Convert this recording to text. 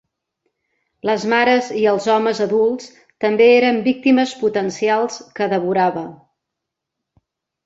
Les mares i els homes adults també eren víctimes potencials que devorava.